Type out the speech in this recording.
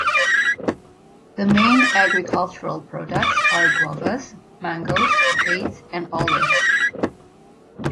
The main agricultural products are guavas, mangos, dates, and olives.